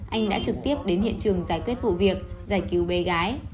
anh đã trực tiếp đến hiện trường giải quyết vụ việc giải cứu bé gái